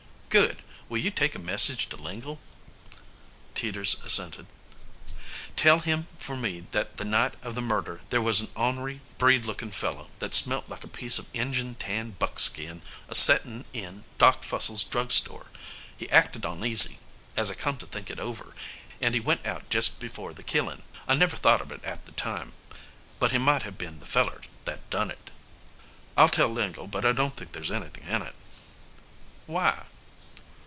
"Good! Will you take a message to Lingle?" Teeters assented. "Tell him for me that the night of the murder there was a onery breed lookin' feller that smelt like a piece of Injun tanned buckskin a settin' in Doc Fussel's drug store. He acted oneasy, as I come to think it over, and he went out jest before the killin'. I never thought of it at the time, but he might have been the feller that done it." "I'll tell Lingle, but I don't think there's anything in it." "Why?"